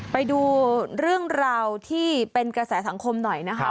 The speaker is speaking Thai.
ไปดูเรื่องราวที่เป็นกระแสสังคมหน่อยนะคะ